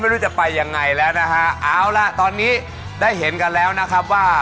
แขนนี่จะเริ่มแบบเอ๊ะเริ่มไปไม่ไหวแล้ว